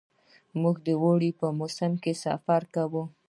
موږ د اوړي په موسم کې سفر کوو.